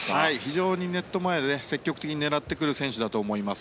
非常にネット前で積極的に狙ってくる選手だと思います。